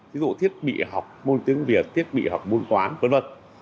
ví dụ thiết bị học môn tiếng việt thiết bị học môn toán v v